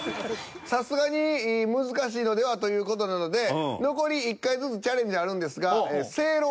さすがに難しいのではという事なので残り１回ずつチャレンジあるんですが。